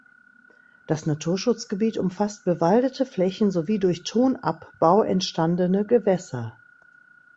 Das Naturschutzgebiet umfasst bewaldete Flächen sowie durch Tonabbau entstandene Gewässer.